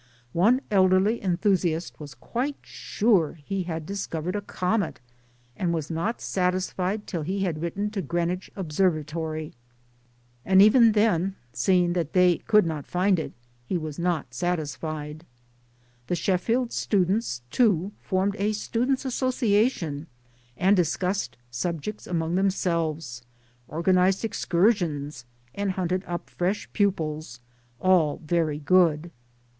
One elderly enthusiast was quite sure he had discovered a comet, and was not satisfied till he had written to Greenwich Observatory, and even then (seeing that they could not find it) he was not satisfied. The Sheffield students too formed a Students' Association, and discussed subjects among themselves, organized excursions, and hunted up fresh pupils all very good.